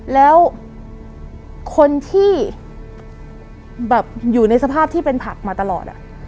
แล้วคนที่แบบอยู่ในสภาพที่เป็นผักมาตลอด